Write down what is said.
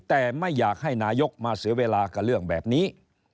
แต่ไม่อยากให้นายกมาเสียเวลากับเรื่องแบบนี้